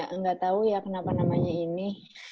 ya nggak tau ya kenapa namanya ini